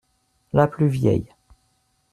La plus vieille.